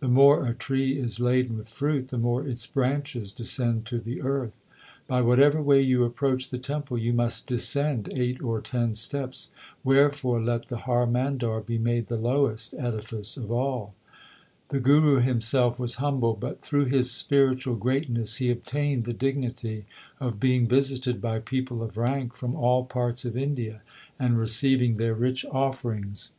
The more a tree is laden with fruit, the more its branches descend to the earth. By whatever way you approach the temple you must descend eight or ten steps, wherefore let the Har Mandar be made the lowest edifice of all. The Guru himself was humble, but through his spiritual greatness he obtained the dignity of being visited by people of rank from all parts of India and receiving their rich offerings.